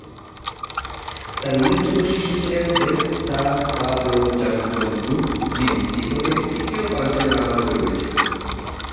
তার উল্লেখযোগ্য শিষ্য ছিলেন দ্বেন-সা-পা-ব্লো-ব্জাং-দোন-গ্রুব যিনি তিব্বতে তৃতীয় পাঞ্চেন লামা রূপে পরিচিত।